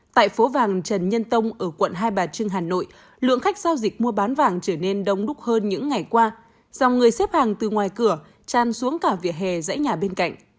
tại phố vàng trần nhân tông ở quận hai bà trưng hà nội lượng khách giao dịch mua bán vàng trở nên đông đúc hơn những ngày qua dòng người xếp hàng từ ngoài cửa tràn xuống cả vỉa hè dãy nhà bên cạnh